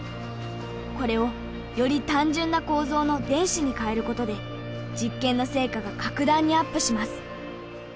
これをより単純な構造の電子に変えることで実験の成果が格段にアップします。